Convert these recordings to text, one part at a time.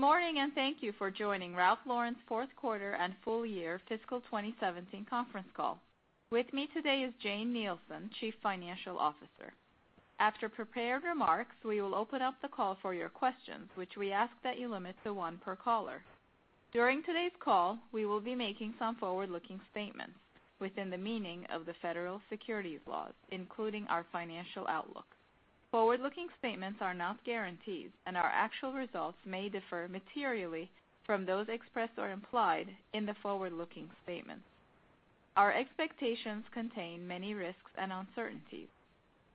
Good morning, and thank you for joining Ralph Lauren's fourth quarter and full year fiscal 2017 conference call. With me today is Jane Nielsen, Chief Financial Officer. After prepared remarks, we will open up the call for your questions, which we ask that you limit to one per caller. During today's call, we will be making some forward-looking statements within the meaning of the Federal Securities Laws, including our financial outlook. Forward-looking statements are not guarantees, and our actual results may differ materially from those expressed or implied in the forward-looking statements. Our expectations contain many risks and uncertainties.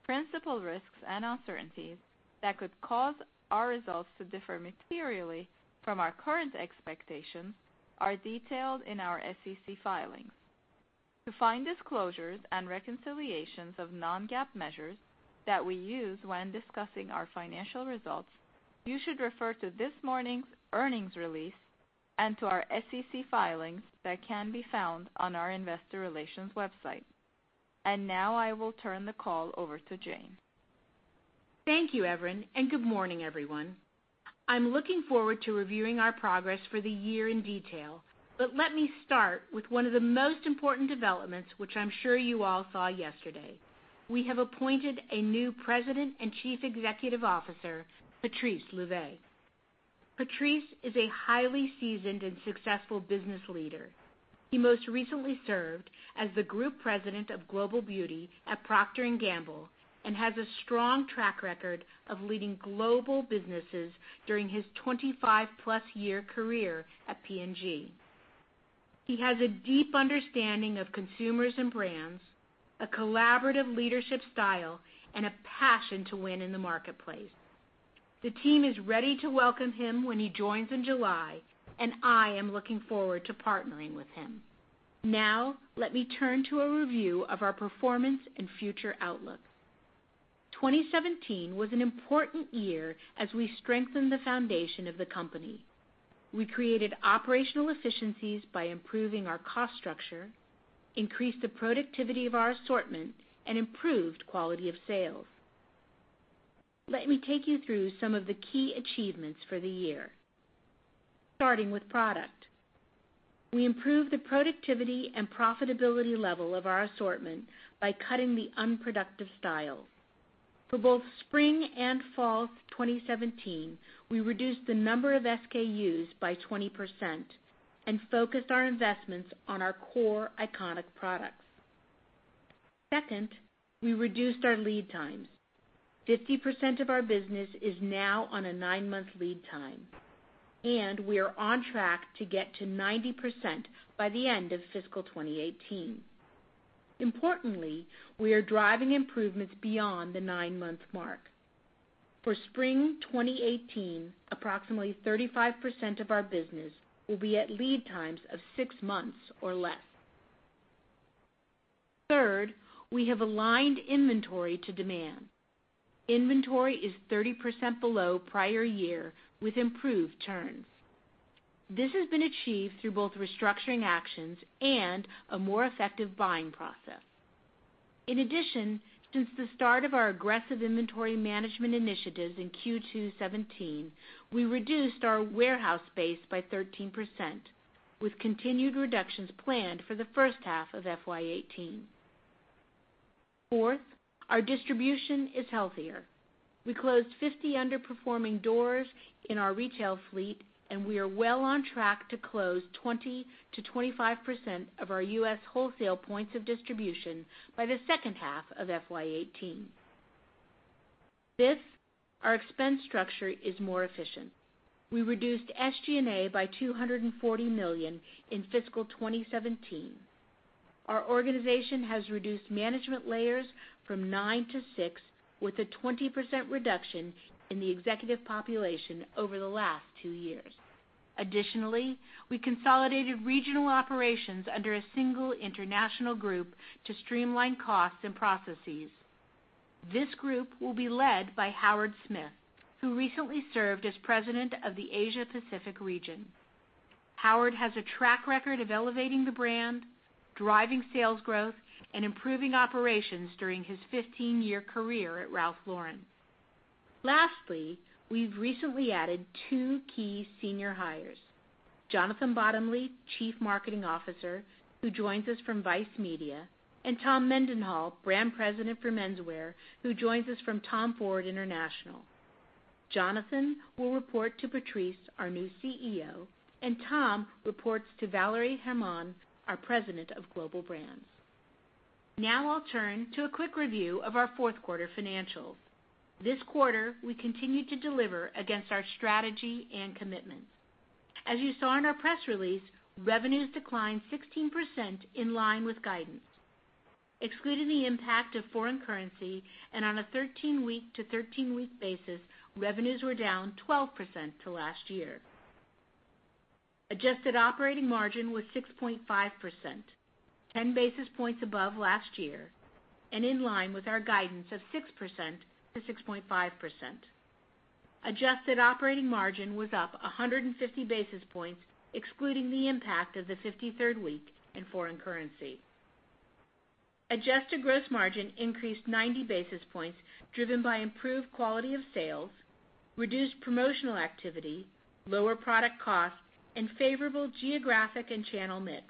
Principal risks and uncertainties that could cause our results to differ materially from our current expectations are detailed in our SEC filings. To find disclosures and reconciliations of non-GAAP measures that we use when discussing our financial results, you should refer to this morning's earnings release and to our SEC filings that can be found on our investor relations website. Now I will turn the call over to Jane. Thank you, Evren, and good morning, everyone. I'm looking forward to reviewing our progress for the year in detail, but let me start with one of the most important developments, which I'm sure you all saw yesterday. We have appointed a new President and Chief Executive Officer, Patrice Louvet. Patrice is a highly seasoned and successful business leader. He most recently served as the Group President of Global Beauty at Procter & Gamble and has a strong track record of leading global businesses during his 25-plus year career at P&G. He has a deep understanding of consumers and brands, a collaborative leadership style, and a passion to win in the marketplace. The team is ready to welcome him when he joins in July, and I am looking forward to partnering with him. Let me turn to a review of our performance and future outlook. 2017 was an important year as we strengthened the foundation of the company. We created operational efficiencies by improving our cost structure, increased the productivity of our assortment, and improved quality of sales. Let me take you through some of the key achievements for the year, starting with product. We improved the productivity and profitability level of our assortment by cutting the unproductive styles. For both spring and fall of 2017, we reduced the number of SKUs by 20% and focused our investments on our core iconic products. Second, we reduced our lead times. 50% of our business is now on a nine-month lead time, and we are on track to get to 90% by the end of fiscal 2018. Importantly, we are driving improvements beyond the nine-month mark. For spring 2018, approximately 35% of our business will be at lead times of six months or less. Third, we have aligned inventory to demand. Inventory is 30% below prior year with improved turns. This has been achieved through both restructuring actions and a more effective buying process. In addition, since the start of our aggressive inventory management initiatives in Q2 2017, we reduced our warehouse space by 13%, with continued reductions planned for the first half of FY 2018. Fourth, our distribution is healthier. We closed 50 underperforming doors in our retail fleet, and we are well on track to close 20%-25% of our U.S. wholesale points of distribution by the second half of FY 2018. Fifth, our expense structure is more efficient. We reduced SG&A by $240 million in fiscal 2017. Our organization has reduced management layers from nine to six, with a 20% reduction in the executive population over the last two years. We consolidated regional operations under a single international group to streamline costs and processes. This group will be led by Howard Smith, who recently served as President of the Asia Pacific region. Howard has a track record of elevating the brand, driving sales growth, and improving operations during his 15-year career at Ralph Lauren. Lastly, we've recently added two key senior hires: Jonathan Bottomley, Chief Marketing Officer, who joins us from Vice Media, and Tom Mendenhall, Brand President for Menswear, who joins us from Tom Ford International. Jonathan will report to Patrice, our new CEO, and Tom reports to Valérie Hermann, our President of Global Brands. I'll turn to a quick review of our fourth quarter financials. This quarter, we continued to deliver against our strategy and commitments. As you saw in our press release, revenues declined 16% in line with guidance. Excluding the impact of foreign currency and on a 13-week to 13-week basis, revenues were down 12% to last year. Adjusted operating margin was 6.5%, 10 basis points above last year and in line with our guidance of 6%-6.5%. Adjusted operating margin was up 150 basis points excluding the impact of the 53rd week and foreign currency. Adjusted gross margin increased 90 basis points, driven by improved quality of sales, reduced promotional activity, lower product costs, and favorable geographic and channel mix.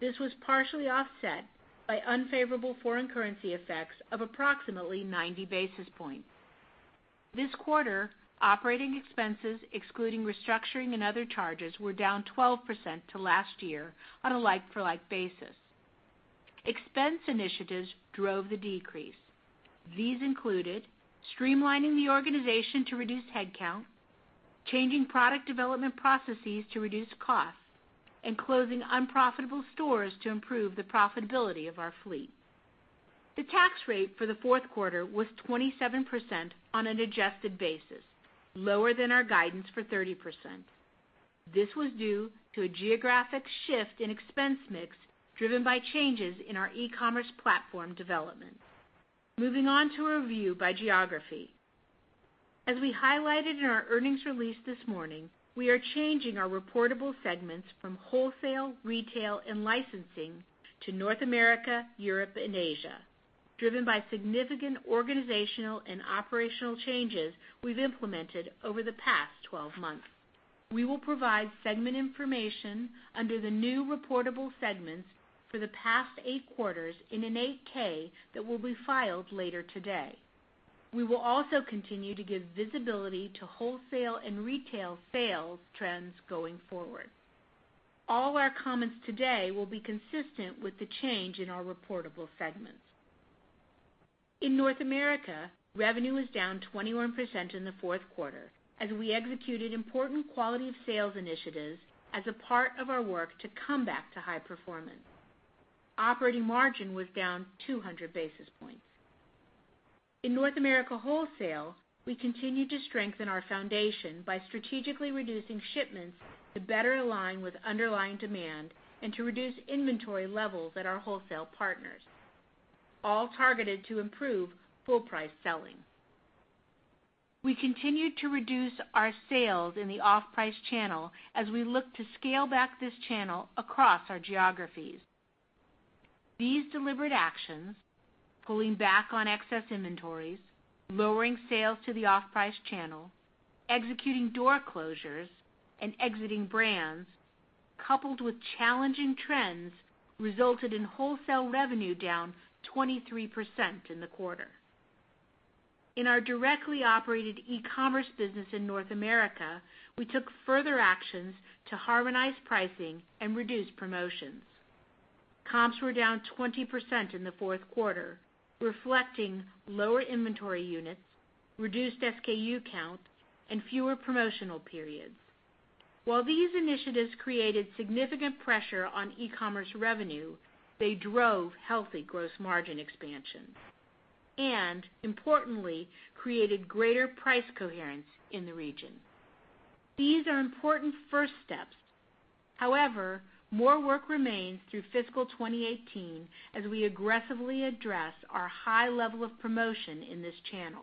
This was partially offset by unfavorable foreign currency effects of approximately 90 basis points. This quarter, operating expenses, excluding restructuring and other charges, were down 12% to last year on a like-for-like basis. Expense initiatives drove the decrease. These included streamlining the organization to reduce headcount, changing product development processes to reduce costs, and closing unprofitable stores to improve the profitability of our fleet. The tax rate for the fourth quarter was 27% on an adjusted basis, lower than our guidance for 30%. This was due to a geographic shift in expense mix driven by changes in our e-commerce platform development. A review by geography. As we highlighted in our earnings release this morning, we are changing our reportable segments from wholesale, retail, and licensing to North America, Europe, and Asia, driven by significant organizational and operational changes we've implemented over the past 12 months. We will provide segment information under the new reportable segments for the past eight quarters in an 8-K that will be filed later today. We will also continue to give visibility to wholesale and retail sales trends going forward. All our comments today will be consistent with the change in our reportable segments. In North America, revenue was down 21% in the fourth quarter as we executed important quality of sales initiatives as a part of our work to come back to high performance. Operating margin was down 200 basis points. In North America wholesale, we continued to strengthen our foundation by strategically reducing shipments to better align with underlying demand and to reduce inventory levels at our wholesale partners, all targeted to improve full price selling. We continued to reduce our sales in the off-price channel as we look to scale back this channel across our geographies. These deliberate actions, pulling back on excess inventories, lowering sales to the off-price channel, executing door closures, and exiting brands, coupled with challenging trends, resulted in wholesale revenue down 23% in the quarter. In our directly operated e-commerce business in North America, we took further actions to harmonize pricing and reduce promotions. Comps were down 20% in the fourth quarter, reflecting lower inventory units, reduced SKU count, and fewer promotional periods. While these initiatives created significant pressure on e-commerce revenue, they drove healthy gross margin expansions and, importantly, created greater price coherence in the region. These are important first steps. However, more work remains through fiscal 2018 as we aggressively address our high level of promotion in this channel.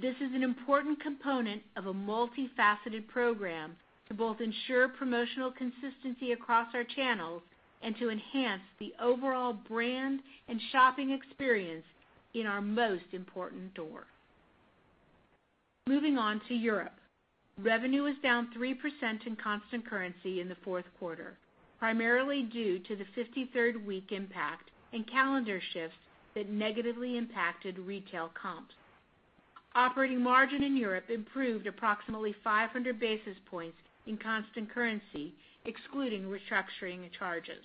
This is an important component of a multifaceted program to both ensure promotional consistency across our channels and to enhance the overall brand and shopping experience in our most important door. Moving on to Europe. Revenue was down 3% in constant currency in the fourth quarter, primarily due to the 53rd week impact and calendar shifts that negatively impacted retail comps. Operating margin in Europe improved approximately 500 basis points in constant currency, excluding restructuring charges.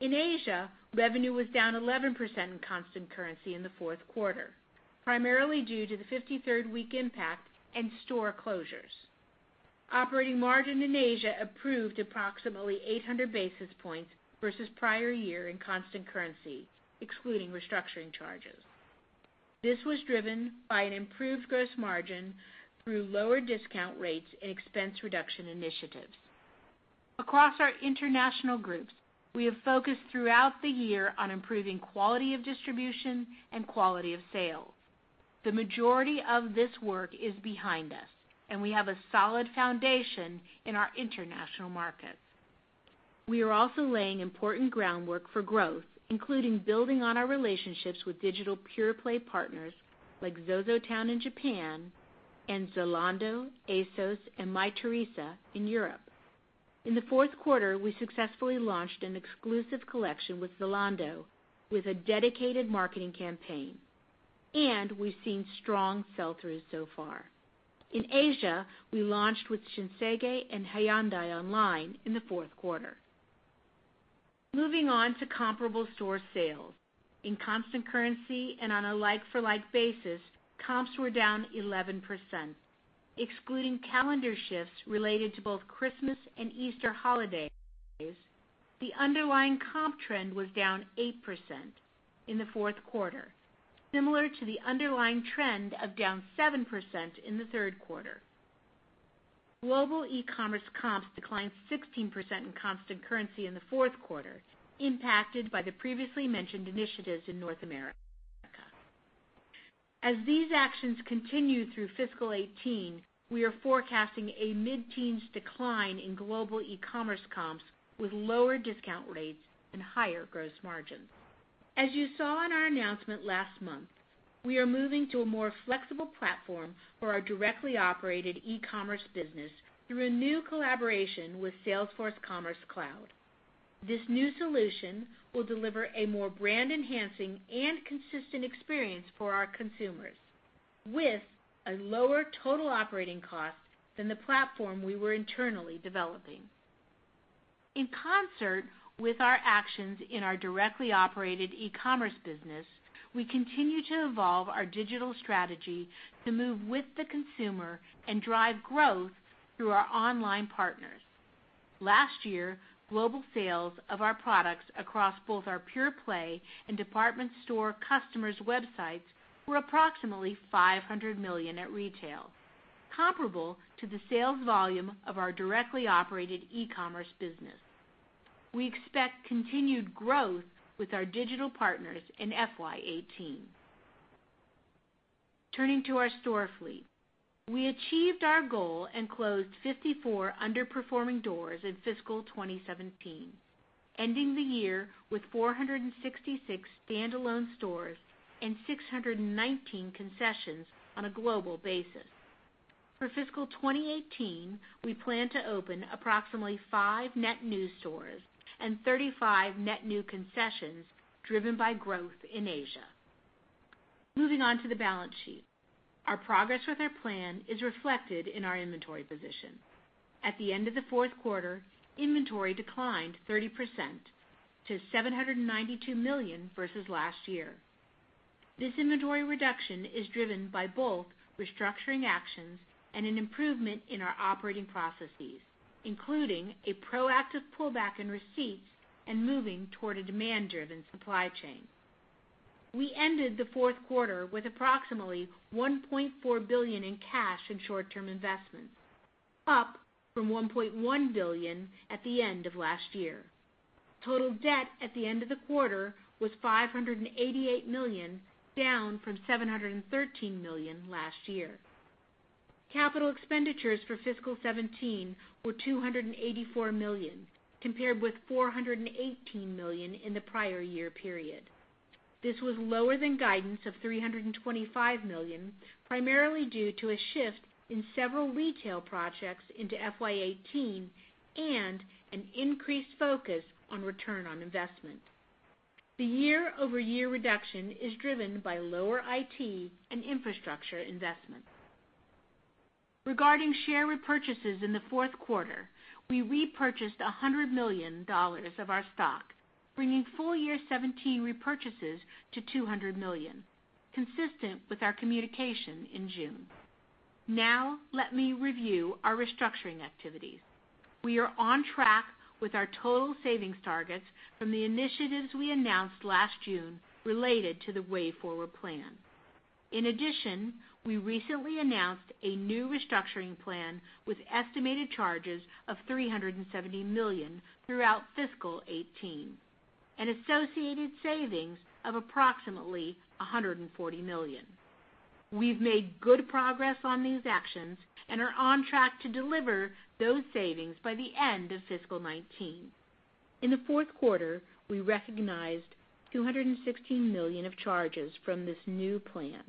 In Asia, revenue was down 11% in constant currency in the fourth quarter, primarily due to the 53rd week impact and store closures. Operating margin in Asia improved approximately 800 basis points versus prior year in constant currency, excluding restructuring charges. This was driven by an improved gross margin through lower discount rates and expense reduction initiatives. Across our international groups, we have focused throughout the year on improving quality of distribution and quality of sales. The majority of this work is behind us, and we have a solid foundation in our international markets. We are also laying important groundwork for growth, including building on our relationships with digital pure-play partners like ZOZOTOWN in Japan and Zalando, ASOS, and Mytheresa in Europe. In the fourth quarter, we successfully launched an exclusive collection with Zalando with a dedicated marketing campaign, and we've seen strong sell-through so far. In Asia, we launched with Shinsegae and Hyundai online in the fourth quarter. Moving on to comparable store sales. In constant currency and on a like-for-like basis, comps were down 11%, excluding calendar shifts related to both Christmas and Easter holidays, the underlying comp trend was down 8% in the fourth quarter, similar to the underlying trend of down 7% in the third quarter. Global e-commerce comps declined 16% in constant currency in the fourth quarter, impacted by the previously mentioned initiatives in North America. As these actions continue through fiscal 2018, we are forecasting a mid-teens decline in global e-commerce comps with lower discount rates and higher gross margins. As you saw in our announcement last month, we are moving to a more flexible platform for our directly operated e-commerce business through a new collaboration with Salesforce Commerce Cloud. This new solution will deliver a more brand-enhancing and consistent experience for our consumers with a lower total operating cost than the platform we were internally developing. In concert with our actions in our directly operated e-commerce business, we continue to evolve our digital strategy to move with the consumer and drive growth through our online partners. Last year, global sales of our products across both our pure-play and department store customers' websites were approximately $500 million at retail, comparable to the sales volume of our directly operated e-commerce business. We expect continued growth with our digital partners in FY 2018. Turning to our store fleet. We achieved our goal and closed 54 underperforming doors in fiscal 2017, ending the year with 466 standalone stores and 619 concessions on a global basis. For fiscal 2018, we plan to open approximately five net new stores and 35 net new concessions driven by growth in Asia. Moving on to the balance sheet. Our progress with our plan is reflected in our inventory position. At the end of the fourth quarter, inventory declined 30% to $792 million versus last year. This inventory reduction is driven by both restructuring actions and an improvement in our operating processes, including a proactive pullback in receipts and moving toward a demand-driven supply chain. We ended the fourth quarter with approximately $1.4 billion in cash and short-term investments, up from $1.1 billion at the end of last year. Total debt at the end of the quarter was $588 million, down from $713 million last year. Capital expenditures for fiscal 2017 were $284 million, compared with $418 million in the prior year period. This was lower than guidance of $325 million, primarily due to a shift in several retail projects into FY 2018 and an increased focus on return on investment. The year-over-year reduction is driven by lower IT and infrastructure investments. Regarding share repurchases in the fourth quarter, we repurchased $100 million of our stock, bringing full-year 2017 repurchases to $200 million, consistent with our communication in June. Now let me review our restructuring activities. We are on track with our total savings targets from the initiatives we announced last June related to the Way Forward plan. In addition, we recently announced a new restructuring plan with estimated charges of $370 million throughout fiscal 2018, and associated savings of approximately $140 million. We've made good progress on these actions and are on track to deliver those savings by the end of fiscal 2019. In the fourth quarter, we recognized $216 million of charges from this new plan.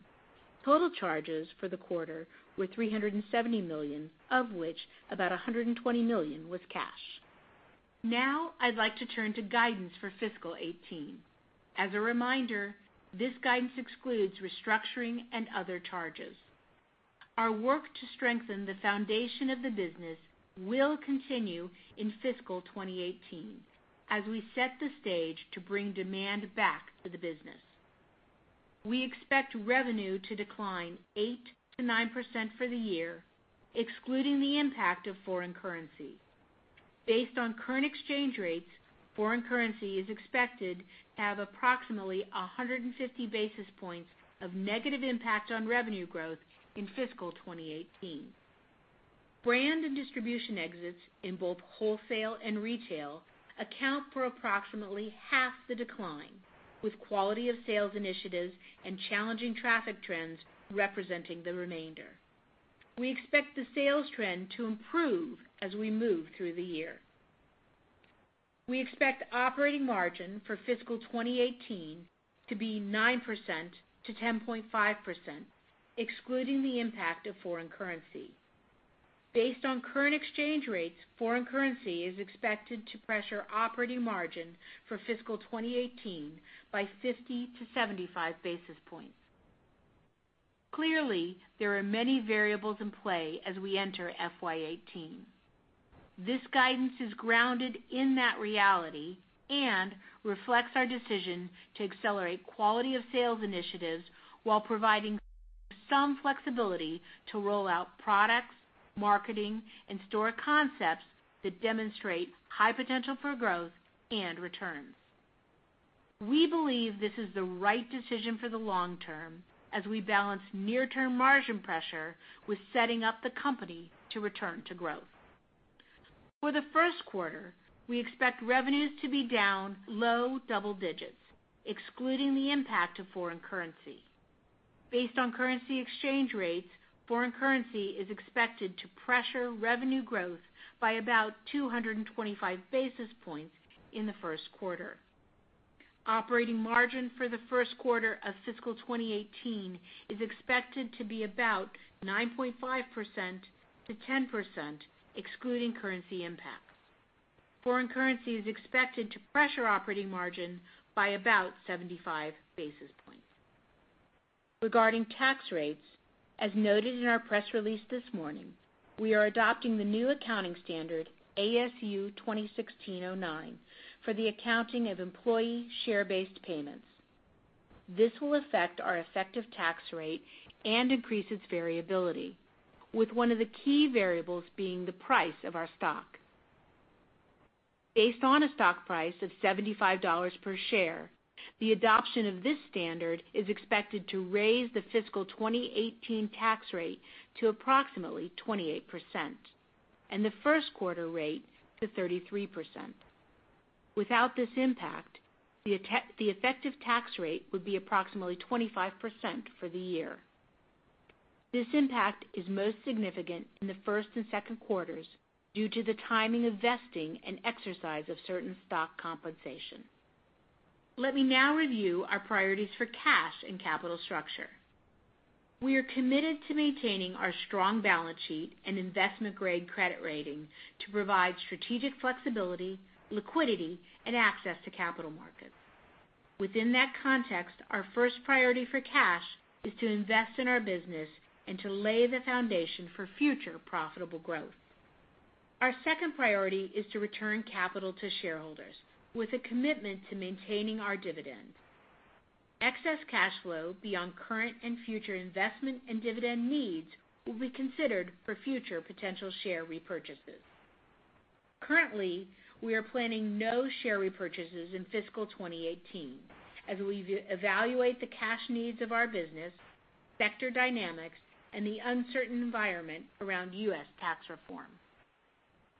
Total charges for the quarter were $370 million, of which about $120 million was cash. Now, I'd like to turn to guidance for fiscal 2018. As a reminder, this guidance excludes restructuring and other charges. Our work to strengthen the foundation of the business will continue in fiscal 2018 as we set the stage to bring demand back to the business. We expect revenue to decline 8%-9% for the year, excluding the impact of foreign currency. Based on current exchange rates, foreign currency is expected to have approximately 150 basis points of negative impact on revenue growth in fiscal 2018. Brand and distribution exits in both wholesale and retail account for approximately half the decline, with quality of sales initiatives and challenging traffic trends representing the remainder. We expect the sales trend to improve as we move through the year. We expect operating margin for fiscal 2018 to be 9%-10.5%, excluding the impact of foreign currency. Based on current exchange rates, foreign currency is expected to pressure operating margin for fiscal 2018 by 50-75 basis points. Clearly, there are many variables in play as we enter FY 2018. This guidance is grounded in that reality and reflects our decision to accelerate quality of sales initiatives while providing some flexibility to roll out products, marketing, and store concepts that demonstrate high potential for growth and returns. We believe this is the right decision for the long term as we balance near-term margin pressure with setting up the company to return to growth. For the first quarter, we expect revenues to be down low double digits, excluding the impact of foreign currency. Based on currency exchange rates, foreign currency is expected to pressure revenue growth by about 225 basis points in the first quarter. Operating margin for the first quarter of fiscal 2018 is expected to be about 9.5%-10%, excluding currency impact. Foreign currency is expected to pressure operating margin by about 75 basis points. Regarding tax rates, as noted in our press release this morning, we are adopting the new accounting standard, ASU 2016-09, for the accounting of employee share-based payments. This will affect our effective tax rate and increase its variability, with one of the key variables being the price of our stock. Based on a stock price of $75 per share, the adoption of this standard is expected to raise the fiscal 2018 tax rate to approximately 28%, and the first quarter rate to 33%. Without this impact, the effective tax rate would be approximately 25% for the year. This impact is most significant in the first and second quarters due to the timing of vesting and exercise of certain stock compensation. Let me now review our priorities for cash and capital structure. We are committed to maintaining our strong balance sheet and investment-grade credit rating to provide strategic flexibility, liquidity, and access to capital markets. Within that context, our first priority for cash is to invest in our business and to lay the foundation for future profitable growth. Our second priority is to return capital to shareholders with a commitment to maintaining our dividend. Excess cash flow beyond current and future investment and dividend needs will be considered for future potential share repurchases. Currently, we are planning no share repurchases in fiscal 2018 as we evaluate the cash needs of our business, sector dynamics, and the uncertain environment around U.S. tax reform.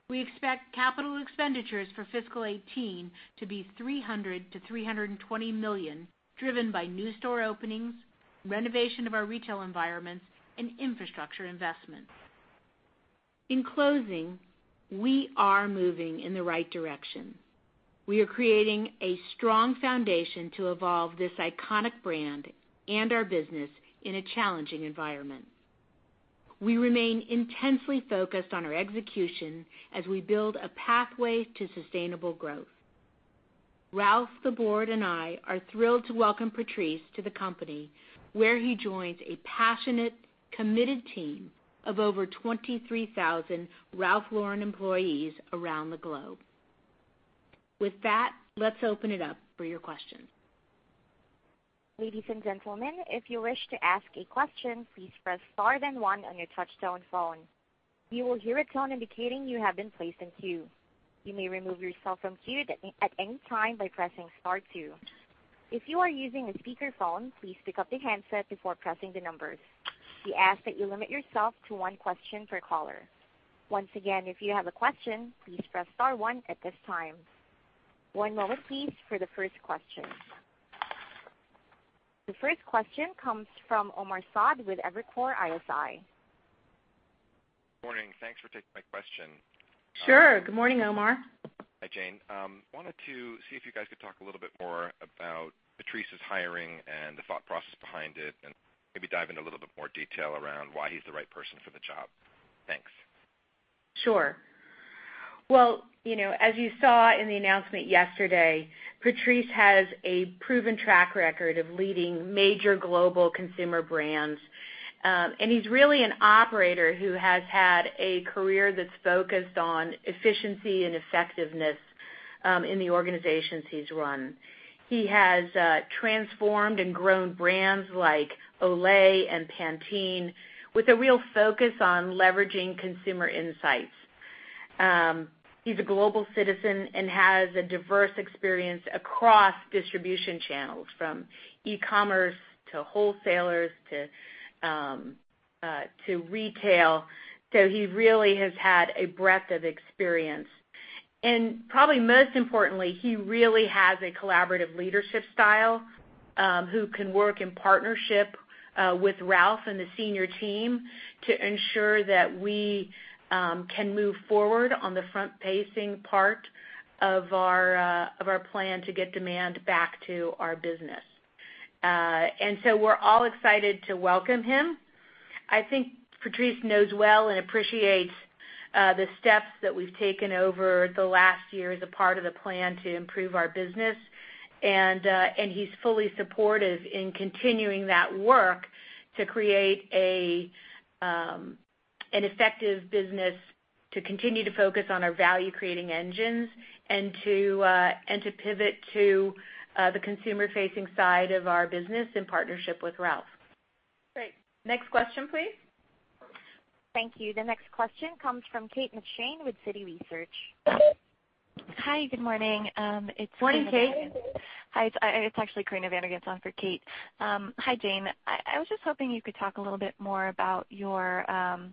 We expect capital expenditures for fiscal 2018 to be $300 million-$320 million, driven by new store openings, renovation of our retail environments, and infrastructure investments. In closing, we are moving in the right direction. We are creating a strong foundation to evolve this iconic brand and our business in a challenging environment. We remain intensely focused on our execution as we build a pathway to sustainable growth. Ralph, the board, and I are thrilled to welcome Patrice to the company, where he joins a passionate, committed team of over 23,000 Ralph Lauren employees around the globe. With that, let's open it up for your questions. Ladies and gentlemen, if you wish to ask a question, please press star then one on your touch-tone phone. You will hear a tone indicating you have been placed in queue. You may remove yourself from queue at any time by pressing star two. If you are using a speakerphone, please pick up the handset before pressing the numbers. We ask that you limit yourself to one question per caller. Once again, if you have a question, please press star one at this time. One moment please for the first question. The first question comes from Omar Saad with Evercore ISI. Morning. Thanks for taking my question. Sure. Good morning, Omar. Hi, Jane. I wanted to see if you guys could talk a little bit more about Patrice's hiring and the thought process behind it, and maybe dive into a little bit more detail around why he's the right person for the job. Thanks. Sure. Well, as you saw in the announcement yesterday, Patrice has a proven track record of leading major global consumer brands. He's really an operator who has had a career that's focused on efficiency and effectiveness in the organizations he's run. He has transformed and grown brands like Olay and Pantene with a real focus on leveraging consumer insights. He's a global citizen and has a diverse experience across distribution channels, from e-commerce to wholesalers to retail. He really has had a breadth of experience. Probably most importantly, he really has a collaborative leadership style, who can work in partnership with Ralph and the senior team to ensure that we can move forward on the front-pacing part of our plan to get demand back to our business. We're all excited to welcome him. I think Patrice knows well and appreciates the steps that we've taken over the last year as a part of the plan to improve our business. He's fully supportive in continuing that work to create an effective business to continue to focus on our value-creating engines, to pivot to the consumer-facing side of our business in partnership with Ralph. Great. Next question please. Thank you. The next question comes from Kate McShane with Citi Research. Hi, good morning. It's Karina. Morning, Kate. Hi, it's actually Karina Vanagan, on for Kate. Hi, Jane. I was just hoping you could talk a little bit more about the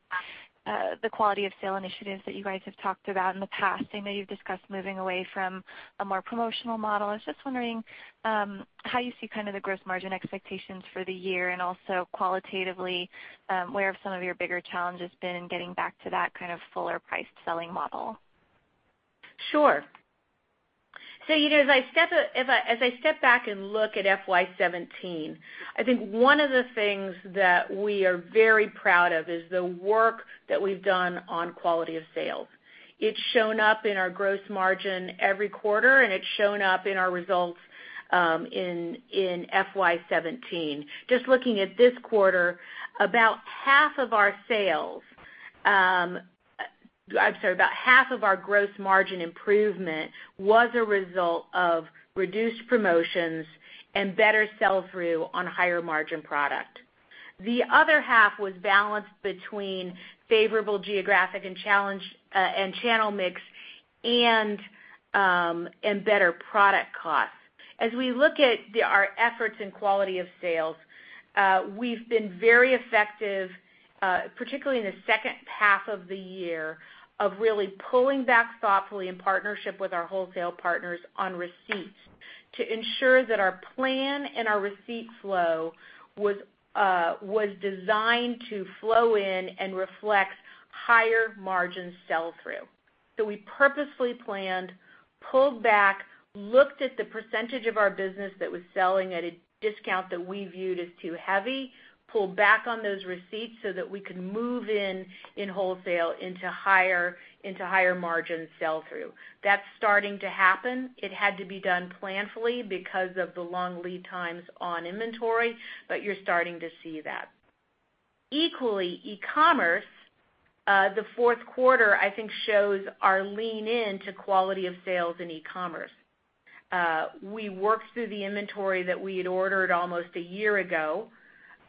quality of sale initiatives that you guys have talked about in the past. I know you've discussed moving away from a more promotional model. I was just wondering how you see the gross margin expectations for the year, and also qualitatively, where have some of your bigger challenges been in getting back to that fuller priced selling model? As I step back and look at FY 2017, I think one of the things that we are very proud of is the work that we've done on quality of sales. It's shown up in our gross margin every quarter, and it's shown up in our results in FY 2017. Just looking at this quarter, about half of our gross margin improvement was a result of reduced promotions and better sell-through on higher margin product. The other half was balanced between favorable geographic and channel mix, and better product costs. As we look at our efforts in quality of sales, we've been very effective, particularly in the second half of the year, of really pulling back thoughtfully in partnership with our wholesale partners on receipts to ensure that our plan and our receipt flow was designed to flow in and reflect higher margin sell-through. We purposefully planned, pulled back, looked at the percentage of our business that was selling at a discount that we viewed as too heavy, pulled back on those receipts so that we could move in in wholesale into higher margin sell-through. That's starting to happen. It had to be done planfully because of the long lead times on inventory, but you're starting to see that. Equally, e-commerce, the fourth quarter, I think, shows our lean in to quality of sales in e-commerce. We worked through the inventory that we had ordered almost a year ago,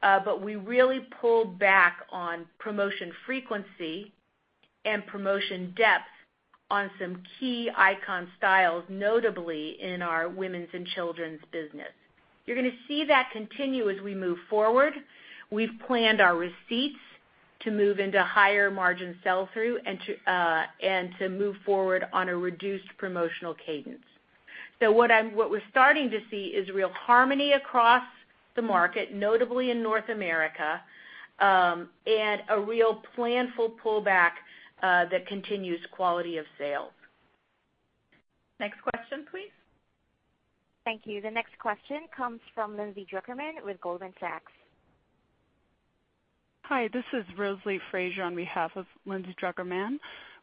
but we really pulled back on promotion frequency and promotion depth on some key icon styles, notably in our women's and children's business. You're going to see that continue as we move forward. We've planned our receipts to move into higher margin sell-through and to move forward on a reduced promotional cadence. What we're starting to see is real harmony across the market, notably in North America, and a real planful pullback that continues quality of sales. Next question, please. Thank you. The next question comes from Lindsay Drucker Mann with Goldman Sachs. Hi, this is Rosalie Frazier on behalf of Lindsay Drucker Mann.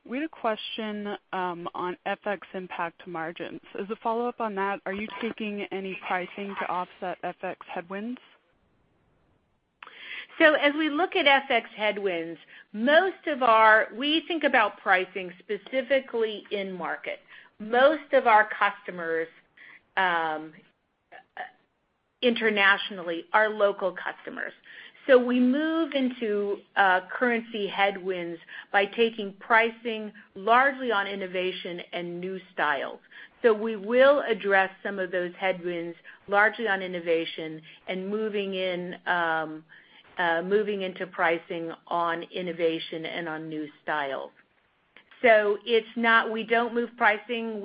We had a question on FX impact to margins. As a follow-up on that, are you taking any pricing to offset FX headwinds? As we look at FX headwinds, we think about pricing specifically in market. Most of our customers internationally are local customers. We move into currency headwinds by taking pricing largely on innovation and new style. We will address some of those headwinds largely on innovation and moving into pricing on innovation and on new styles. We don't move pricing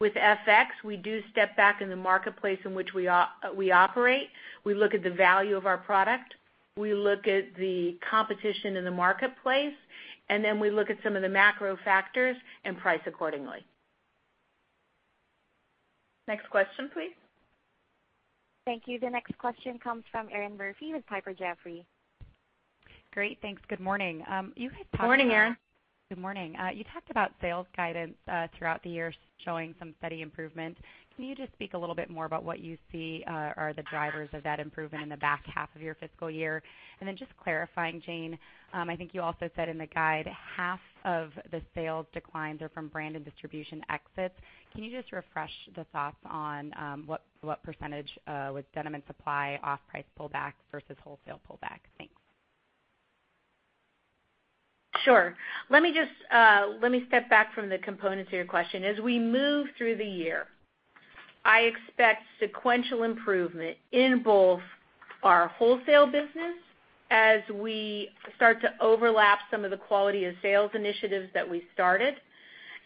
with FX. We do step back in the marketplace in which we operate. We look at the value of our product. We look at the competition in the marketplace, and then we look at some of the macro factors and price accordingly. Next question, please. Thank you. The next question comes from Erinn Murphy with Piper Jaffray. Great. Thanks. Good morning. Morning, Erinn. Good morning. You talked about sales guidance throughout the year showing some steady improvement. Can you just speak a little bit more about what you see are the drivers of that improvement in the back half of your fiscal year? And then just clarifying, Jane, I think you also said in the guide, half of the sales declines are from brand and distribution exits. Can you just refresh the thoughts on what percentage was Denim & Supply off price pullback versus wholesale pullback? Thanks. Sure. Let me step back from the components of your question. As we move through the year, I expect sequential improvement in both our wholesale business as we start to overlap some of the quality of sales initiatives that we started,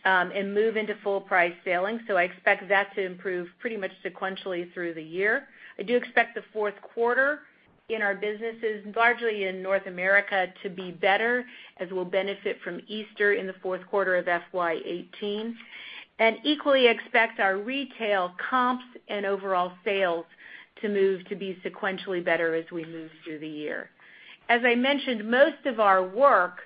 and move into full price selling. I expect that to improve pretty much sequentially through the year. I do expect the fourth quarter in our businesses, largely in North America, to be better as we'll benefit from Easter in the fourth quarter of FY 2018. Equally, I expect our retail comps and overall sales to move to be sequentially better as we move through the year. As I mentioned, most of our work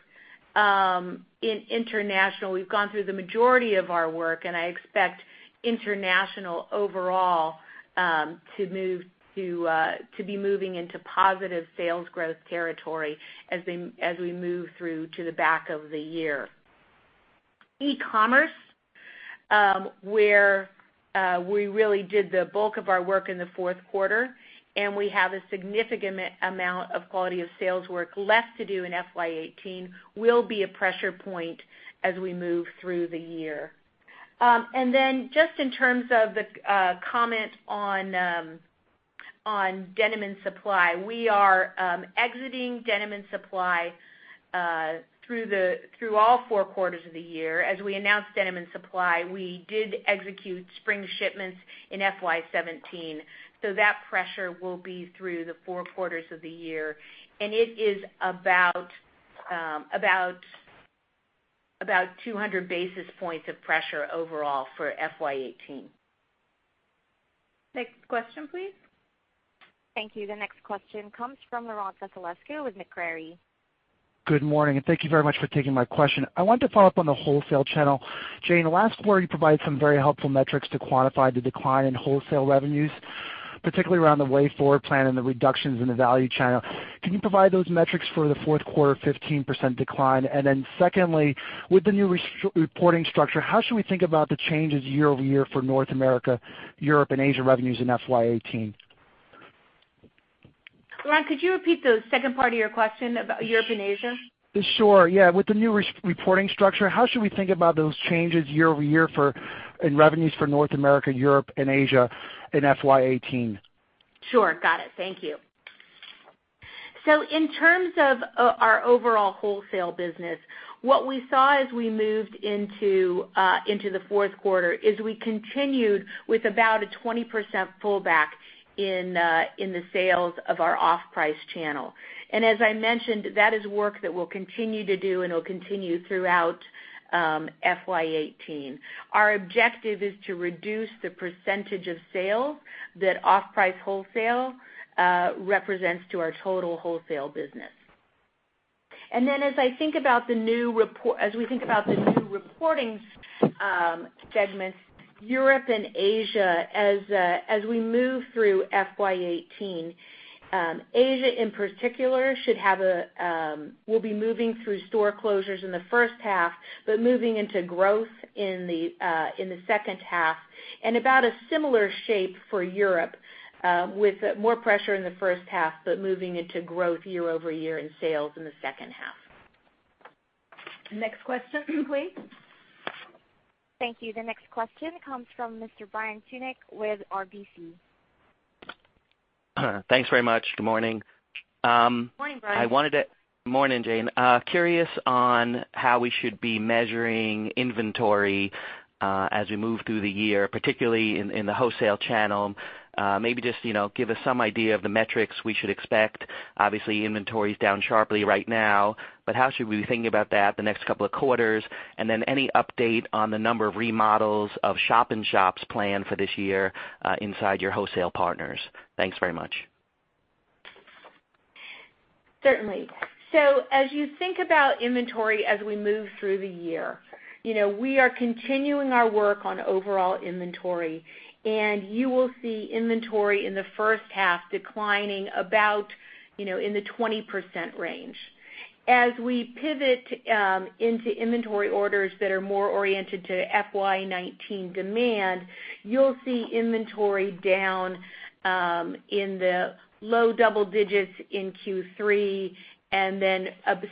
in international, we've gone through the majority of our work, and I expect international overall to be moving into positive sales growth territory as we move through to the back of the year. E-commerce, where We really did the bulk of our work in the fourth quarter, and we have a significant amount of quality of sales work left to do in FY 2018, will be a pressure point as we move through the year. Just in terms of the comment on Denim & Supply, we are exiting Denim & Supply through all four quarters of the year. As we announced Denim & Supply, we did execute spring shipments in FY 2017. That pressure will be through the four quarters of the year, and it is about 200 basis points of pressure overall for FY 2018. Next question, please. Thank you. The next question comes from Laurent Vasilescu with Macquarie. Good morning. Thank you very much for taking my question. I wanted to follow up on the wholesale channel. Jane, last quarter you provided some very helpful metrics to quantify the decline in wholesale revenues, particularly around the Way Forward plan and the reductions in the value channel. Can you provide those metrics for the fourth quarter 15% decline? Secondly, with the new reporting structure, how should we think about the changes year-over-year for North America, Europe and Asia revenues in FY 2018? Laurent, could you repeat the second part of your question about Europe and Asia? Sure. With the new reporting structure, how should we think about those changes year-over-year in revenues for North America, Europe, and Asia in FY 2018? Sure. Got it. Thank you. In terms of our overall wholesale business, what we saw as we moved into the fourth quarter is we continued with about a 20% pull back in the sales of our off-price channel. As I mentioned, that is work that we'll continue to do and will continue throughout FY 2018. Our objective is to reduce the percentage of sales that off-price wholesale represents to our total wholesale business. As we think about the new reporting segments, Europe and Asia, as we move through FY 2018, Asia in particular, we'll be moving through store closures in the first half, but moving into growth in the second half, and about a similar shape for Europe, with more pressure in the first half, but moving into growth year-over-year in sales in the second half. Next question, please. Thank you. The next question comes from Mr. Brian Tunick with RBC. Thanks very much. Good morning. Morning, Brian. Morning, Jane. Curious on how we should be measuring inventory as we move through the year, particularly in the wholesale channel. Just give us some idea of the metrics we should expect. Inventory is down sharply right now, how should we be thinking about that the next couple of quarters? Any update on the number of remodels of shop-in-shops planned for this year inside your wholesale partners? Thanks very much. Certainly. As you think about inventory as we move through the year, we are continuing our work on overall inventory, you will see inventory in the first half declining about in the 20% range. As we pivot into inventory orders that are more oriented to FY 2019 demand, you'll see inventory down in the low double digits in Q3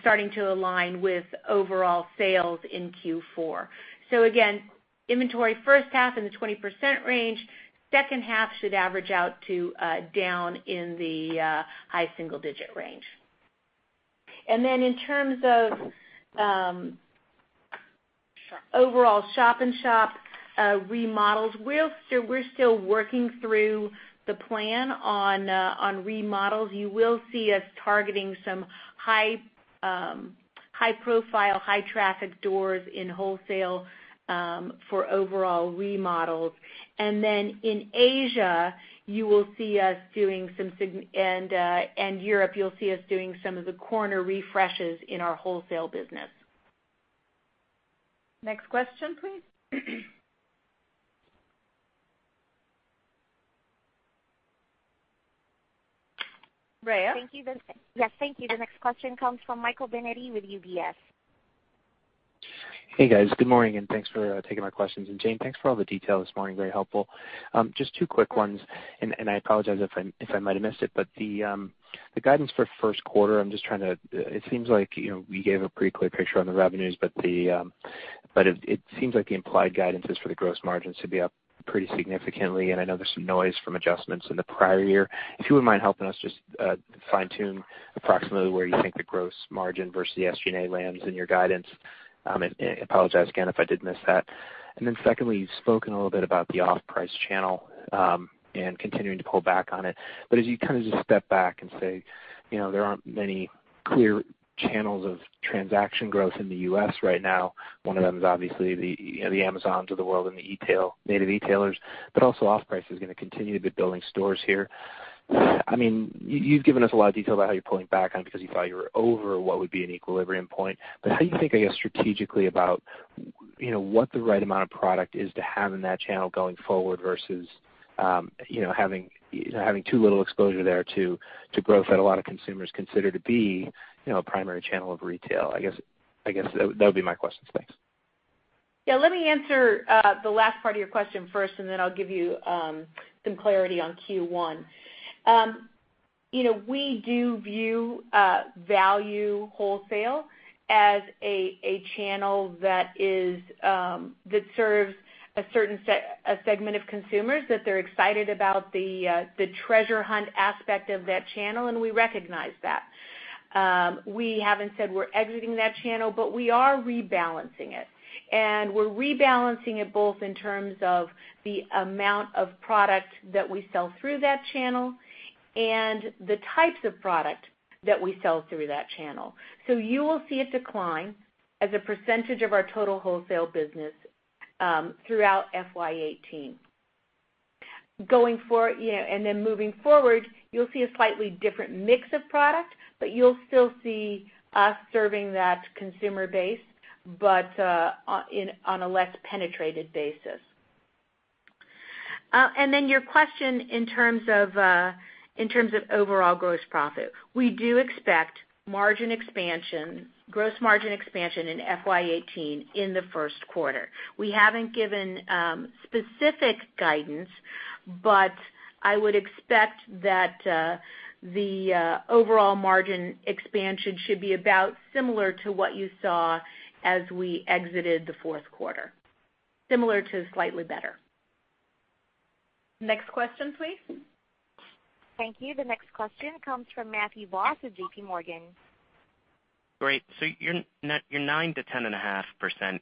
starting to align with overall sales in Q4. Again, inventory first half in the 20% range, second half should average out to down in the high single digit range. In terms of overall shop-in-shop remodels, we're still working through the plan on remodels. You will see us targeting some high profile, high traffic doors in wholesale for overall remodels. In Asia and Europe, you'll see us doing some of the corner refreshes in our wholesale business. Next question, please. Raya. Yes. Thank you. The next question comes from Michael Binetti with UBS. Hey, guys. Good morning, and thanks for taking my questions. Jane, thanks for all the detail this morning. Very helpful. Just two quick ones, I apologize if I might have missed it, the guidance for first quarter, it seems like you gave a pretty clear picture on the revenues, it seems like the implied guidance is for the gross margins to be up pretty significantly, I know there's some noise from adjustments in the prior year. If you wouldn't mind helping us just fine-tune approximately where you think the gross margin versus the SG&A lands in your guidance. I apologize again if I did miss that. Secondly, you've spoken a little bit about the off-price channel and continuing to pull back on it. As you just step back and say, there aren't many clear channels of transaction growth in the U.S. right now. One of them is obviously the Amazons of the world and the native e-tailers, also off-price is going to continue to be building stores here. You've given us a lot of detail about how you're pulling back on it because you thought you were over what would be an equilibrium point. How do you think, I guess, strategically about what the right amount of product is to have in that channel going forward versus having too little exposure there to growth that a lot of consumers consider to be a primary channel of retail? I guess that would be my questions. Thanks. Let me answer the last part of your question first, then I'll give you some clarity on Q1. We do view value wholesale as a channel that serves a segment of consumers, that they're excited about the treasure hunt aspect of that channel, and we recognize that. We haven't said we're exiting that channel, but we are rebalancing it. We're rebalancing it both in terms of the amount of product that we sell through that channel and the types of product that we sell through that channel. You will see a decline as a percentage of our total wholesale business throughout FY 2018. Moving forward, you'll see a slightly different mix of product, but you'll still see us serving that consumer base, but on a less penetrated basis. Your question in terms of overall gross profit. We do expect gross margin expansion in FY 2018 in the first quarter. We haven't given specific guidance, but I would expect that the overall margin expansion should be about similar to what you saw as we exited the fourth quarter. Similar to slightly better. Next question, please. Thank you. The next question comes from Matthew Boss of JPMorgan. Great. Your 9%-10.5%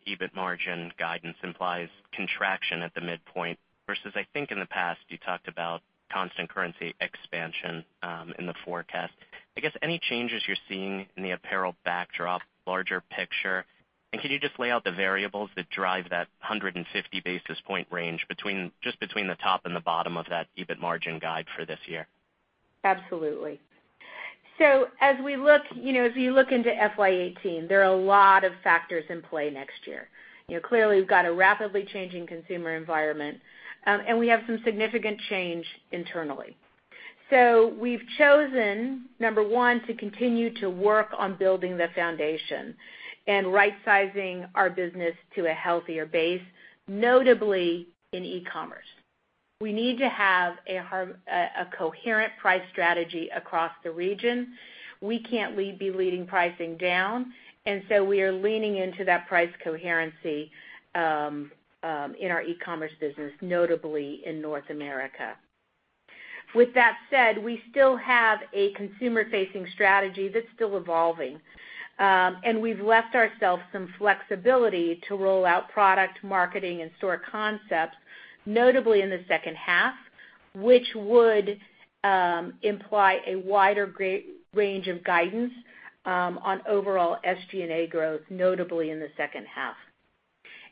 EBIT margin guidance implies contraction at the midpoint versus I think in the past you talked about constant currency expansion in the forecast. I guess, any changes you're seeing in the apparel backdrop, larger picture? Can you just lay out the variables that drive that 150 basis point range just between the top and the bottom of that EBIT margin guide for this year? Absolutely. As you look into FY 2018, there are a lot of factors in play next year. Clearly, we've got a rapidly changing consumer environment, and we have some significant change internally. We've chosen, number 1, to continue to work on building the foundation and right-sizing our business to a healthier base, notably in e-commerce. We need to have a coherent price strategy across the region. We can't be leading pricing down, we are leaning into that price coherency in our e-commerce business, notably in North America. With that said, we still have a consumer-facing strategy that's still evolving. We've left ourselves some flexibility to roll out product marketing and store concepts, notably in the second half, which would imply a wider range of guidance on overall SG&A growth, notably in the second half.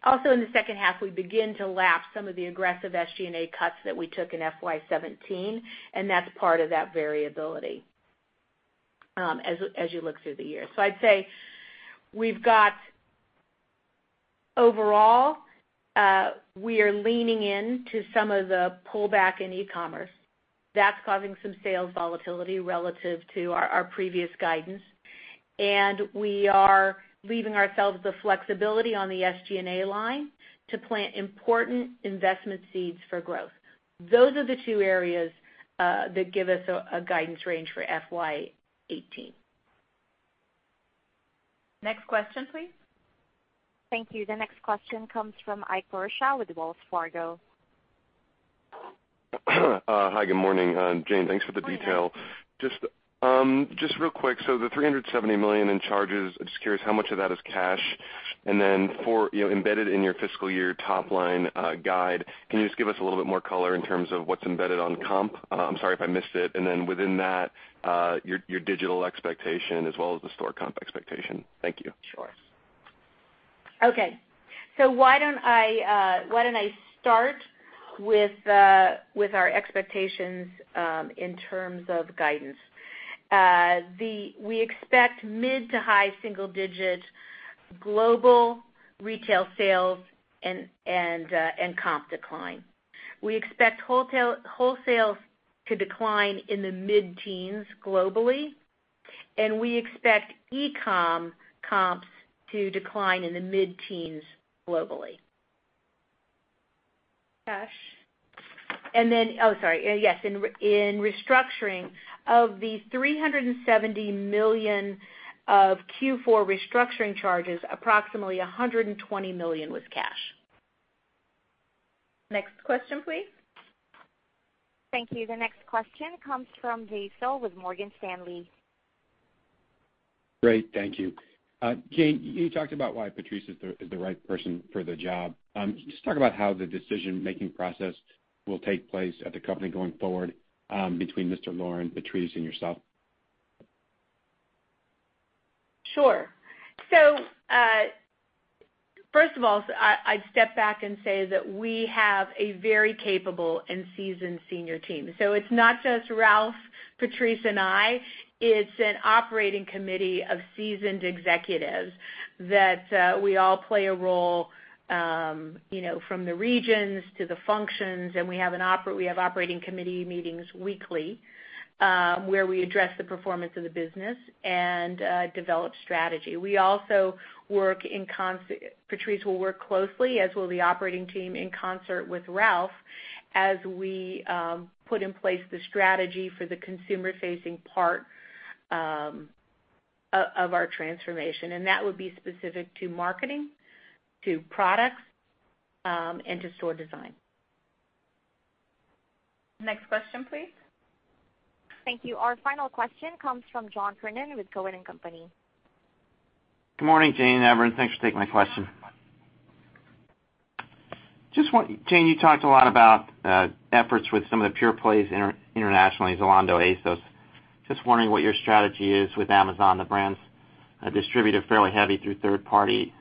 Also in the second half, we begin to lap some of the aggressive SG&A cuts that we took in FY 2017. That's part of that variability as you look through the year. I'd say overall, we are leaning into some of the pullback in e-commerce. That's causing some sales volatility relative to our previous guidance. We are leaving ourselves the flexibility on the SG&A line to plant important investment seeds for growth. Those are the two areas that give us a guidance range for FY 2018. Next question, please. Thank you. The next question comes from Ike Boruchow with Wells Fargo. Hi, good morning. Jane, thanks for the detail. Good morning. Just real quick, the $370 million in charges, just curious how much of that is cash. Embedded in your fiscal year top line guide, can you just give us a little bit more color in terms of what's embedded on comp? I'm sorry if I missed it. Within that, your digital expectation as well as the store comp expectation. Thank you. Okay. Why don't I start with our expectations in terms of guidance. We expect mid-to-high single-digit global retail sales and comp decline. We expect wholesales to decline in the mid-teens globally, and we expect e-com comps to decline in the mid-teens globally. Cash. Oh, sorry. Yes. In restructuring, of the $370 million of Q4 restructuring charges, approximately $120 million was cash. Next question, please. Thank you. The next question comes from Vasel with Morgan Stanley. Great. Thank you. Jane, you talked about why Patrice is the right person for the job. Can you just talk about how the decision-making process will take place at the company going forward between Mr. Lauren, Patrice, and yourself? First of all, I'd step back and say that we have a very capable and seasoned senior team. It's not just Ralph, Patrice, and I. It's an operating committee of seasoned executives that we all play a role from the regions to the functions, and we have operating committee meetings weekly, where we address the performance of the business and develop strategy. Patrice will work closely, as will the operating team, in concert with Ralph as we put in place the strategy for the consumer-facing part of our transformation, and that would be specific to marketing, to products, and to store design. Next question, please. Thank you. Our final question comes from John Kernan with Cowen and Company. Good morning, Jane and everyone. Thanks for taking my question. Jane, you talked a lot about efforts with some of the pure plays internationally, Zalando, ASOS. Just wondering what your strategy is with Amazon. The brand's distributed fairly heavy through third-party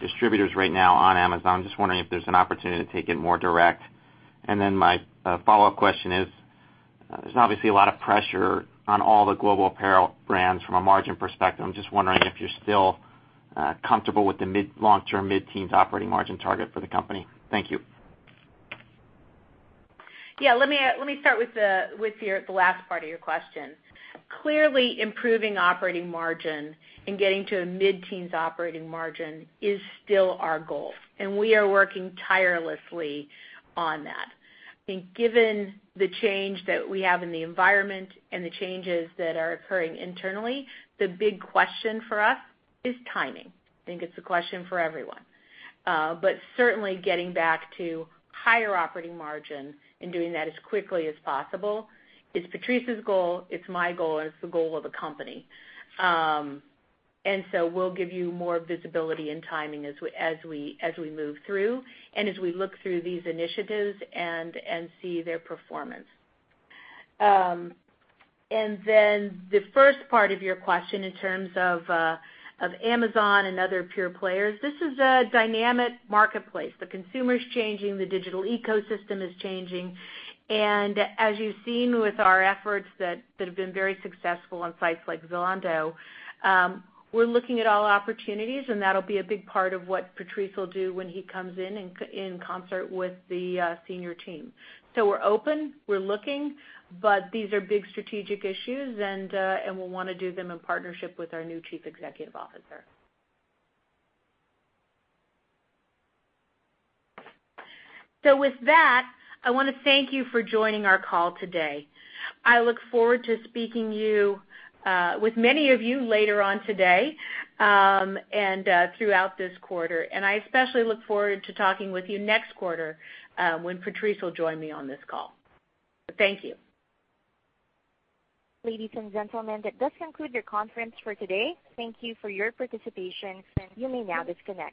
distributors right now on Amazon. Just wondering if there's an opportunity to take it more direct. My follow-up question is, there's obviously a lot of pressure on all the global apparel brands from a margin perspective. I'm just wondering if you're still comfortable with the long-term mid-teens operating margin target for the company. Thank you. Yeah, let me start with the last part of your question. Clearly, improving operating margin and getting to a mid-teens operating margin is still our goal, and we are working tirelessly on that. I think given the change that we have in the environment and the changes that are occurring internally, the big question for us is timing. I think it's a question for everyone. Certainly getting back to higher operating margin and doing that as quickly as possible is Patrice's goal, it's my goal, and it's the goal of the company. We'll give you more visibility and timing as we move through and as we look through these initiatives and see their performance. The first part of your question in terms of Amazon and other pure players, this is a dynamic marketplace. The consumer's changing, the digital ecosystem is changing. As you've seen with our efforts that have been very successful on sites like Zalando, we're looking at all opportunities, and that'll be a big part of what Patrice will do when he comes in concert with the senior team. We're open, we're looking, but these are big strategic issues, and we'll want to do them in partnership with our new chief executive officer. With that, I want to thank you for joining our call today. I look forward to speaking with many of you later on today and throughout this quarter. I especially look forward to talking with you next quarter when Patrice will join me on this call. Thank you. Ladies and gentlemen, that does conclude your conference for today. Thank you for your participation, and you may now disconnect.